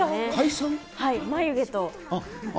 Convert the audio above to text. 眉毛と。